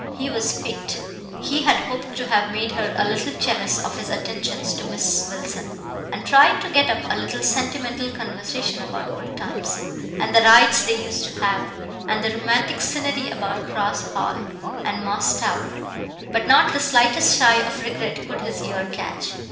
He was piqued; he had hoped to have made her a little jealous of his attentions to Miss Wilson, and tried to get up a little sentimental conversation about old times, and the rides they used to have, and the romantic scenery about Cross Hall and Moss Tower, but not the slightest sigh of regret could his ear catch.